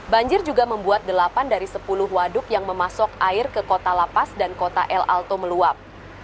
banjir juga membuat delapan dari sepuluh waduk yang memasuk air ke kota lapas dan kota l alto meluap